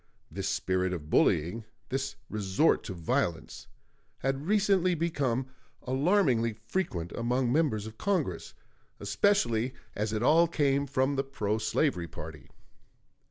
This spirit of bullying, this resort to violence, had recently become alarmingly frequent among members of Congress, especially as it all came from the pro slavery party.